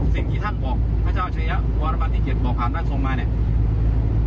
สิ่งที่ท่านบอกพระเจ้าเฉยะวันประมาณ๑๗บอกผ่านบ้านทรงมาเนี่ย